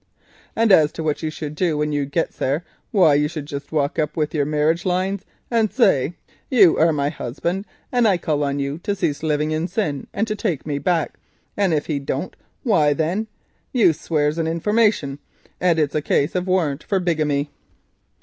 And as to what you should do when you gets there, why, you should just walk up with your marriage lines and say, 'You are my lawful husband, and I calls on you to cease living as you didn't oughter and to take me back;' and if he don't, why then you swears an information, and it's a case of warrant for bigamy."